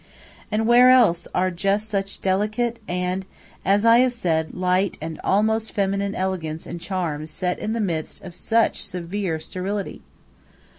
And where else are just such delicate and, as I have said, light and almost feminine elegance and charm set in the midst of such severe sterility?